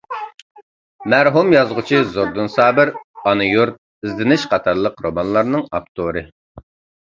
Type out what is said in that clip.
مەرھۇم يازغۇچى زوردۇن سابىر — «ئانا يۇرت» ، «ئىزدىنىش» قاتارلىق رومانلارنىڭ ئاپتورى.